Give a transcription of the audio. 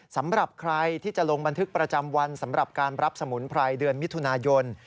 สำหรับใครที่จะลงบันทึกประจำวันสำหรับการรับสมุนไพรเดือนมิถุนายน